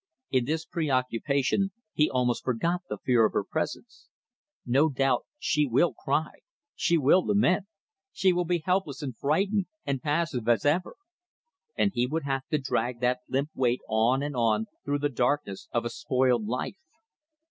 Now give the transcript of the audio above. In this preoccupation he almost forgot the fear of her presence. No doubt she will cry, she will lament, she will be helpless and frightened and passive as ever. And he would have to drag that limp weight on and on through the darkness of a spoiled life.